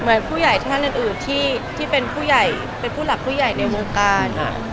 เหมือนผู้ใหญ่ท่านอื่นที่เป็นผู้หลักผู้ใหญ่ในวงการ